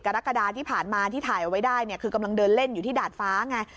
กรกฎาที่ผ่านมาที่ถ่ายเอาไว้ได้เนี่ยคือกำลังเดินเล่นอยู่ที่ดาดฟ้าไง